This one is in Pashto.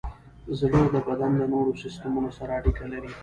زړه د بدن د نورو سیستمونو سره اړیکه لري.